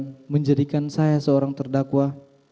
saya hanya dapat berikan saya seorang terdakwa